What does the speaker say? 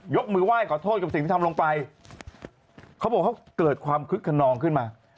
มือไหว้ขอโทษกับสิ่งที่ทำลงไปเขาบอกเขาเกิดความคึกขนองขึ้นมา